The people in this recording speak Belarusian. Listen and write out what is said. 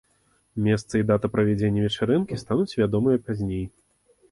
Месца і дата правядзення вечарынкі стануць вядомыя пазней.